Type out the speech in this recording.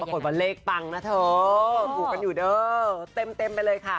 ปรากฏว่าเลขปังนะเธอถูกกันอยู่เด้อเต็มไปเลยค่ะ